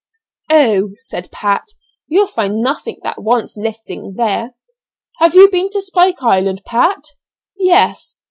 "Oh!" said Pat, "you'll find nothing that wants lifting there." "Have you been to Spike Island, Pat?" "Yes."